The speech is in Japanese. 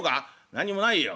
「何にもないよ。